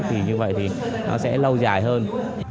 thì như vậy thì nó sẽ lâu dài hơn